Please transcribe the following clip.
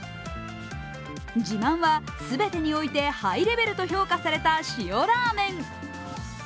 自慢は全てにおいてハイレベルと評価された塩ラーメン。